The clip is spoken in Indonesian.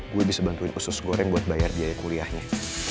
gue bisa bantuin khusus goreng buat bayar biaya kuliahnya